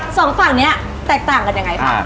สองฝั่งนี้แตกต่างกันยังไงคะ